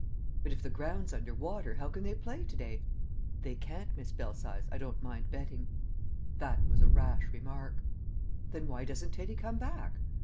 "But if the ground's under water, how can they play to day?" "They can't, Miss Belsize, I don't mind betting." That was a rash remark. "Then why doesn't Teddy come back?"